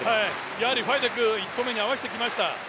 やはりファイデク、１投目で合わせてきました。